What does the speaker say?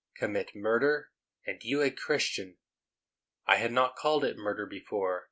commit murder! and you a Christian?" I had not called it murder before.